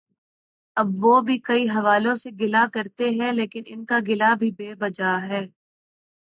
اب وہ بھی کئی حوالوں سے گلہ کرتی ہیں لیکن ان کا گلہ بھی بے جا ہے۔